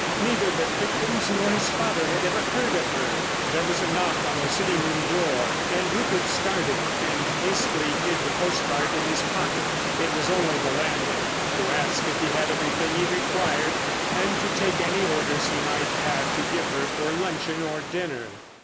Neither the Crichtons nor his father had ever heard of her. There was a knock on the sitting room door, and Rupert started and hastily hid the postcard in his pocket. It was only the landlady to ask if he had everything he required and to take any orders he might have to give her for luncheon or dinner.